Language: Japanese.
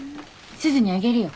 すずにあげるよ。